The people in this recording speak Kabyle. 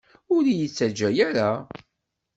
Ur iyi-ttajja ara!